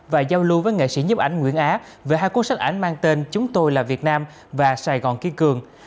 và giao lưu với nghệ sĩ nhấp ảnh nguyễn á về hai cuốn sách ảnh mang tên chúng tôi là việt nam và sài gòn kiên cường